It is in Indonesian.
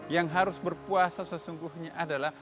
yang harus berpuasa sesungguhnya adalah